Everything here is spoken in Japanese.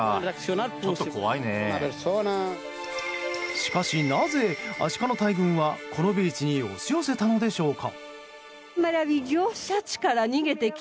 しかしなぜ、アシカの大群はこのビーチに押し寄せたのでしょうか。